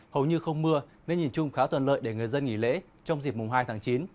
hầu như không mưa nên nhìn chung khá tuần lợi để người dân nghỉ lễ trong dịp mùng hai tháng chín